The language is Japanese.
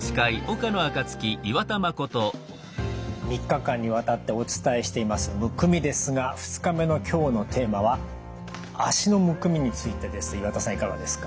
３日間にわたってお伝えしています「むくみ」ですが２日目の今日のテーマは脚のむくみについてです。